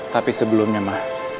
tapi sebelumnya ma